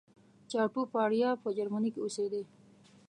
چاټوپاړیا په جرمني کې اوسېدی.